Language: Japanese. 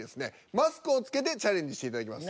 マスクを着けてチャレンジしていただきます。